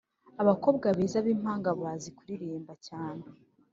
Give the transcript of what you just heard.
abakobwa beza bimpanga bazi kuririmba cyane